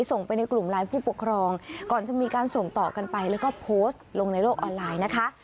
ส่งไปในกลุ่มไลน์ผู้ปกครองก่อนจะมีการส่งต่อกันไปแล้วก็โพสต์ลงในโลกออนไลน์นะคะ